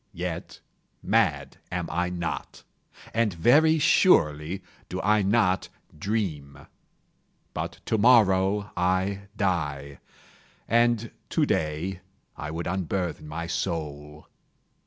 Yet, mad am I not—and very surely do I not dream. But to morrow I die, and to day I would unburthen my soul.